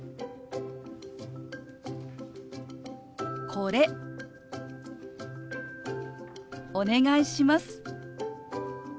「これお願いします」。